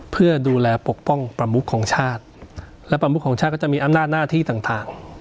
เพื่อดูแลปกป้องประมุขของชาติและประมุขของชาติก็จะมีอำนาจหน้าที่ต่าง